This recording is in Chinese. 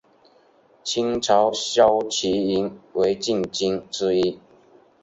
清朝骁骑营为禁军之一。